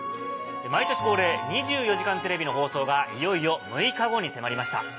毎年恒例『２４時間テレビ』の放送がいよいよ６日後に迫りました。